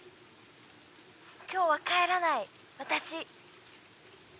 「“今日は帰らない私”」